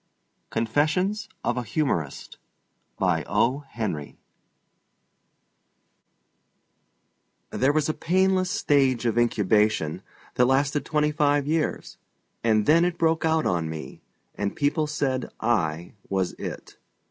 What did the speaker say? CONFESSIONS OF A HUMORIST There was a painless stage of incubation that lasted twenty five years, and then it broke out on me, and people said I was It.